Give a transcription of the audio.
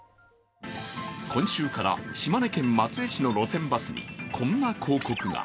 今週から島根県松江市の路線バスに、こんな広告が。